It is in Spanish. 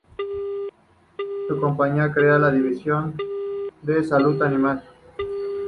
La compañía crea la división de Salud Animal.